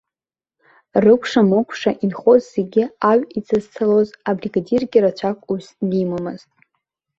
Рыкәша-мыкәша инхоз зегьы аҩ иҵазцалоз абригадиргьы рацәак усс димамызт.